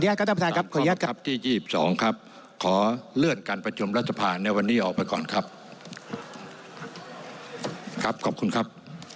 เดี๋ยวฟังเสียงจานวันนอหน่อยตอนที่ปิดประชุมเมื่อสักครู่นี้นะครับ